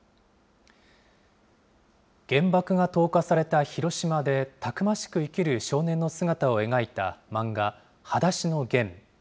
原爆が投下された広島で、たくましく生きる少年の姿を描いた漫画、はだしのゲン。